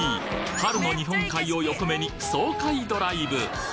春の日本海を横目に爽快ドライブ！